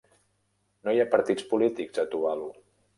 No hi ha partits polítics a Tuvalu.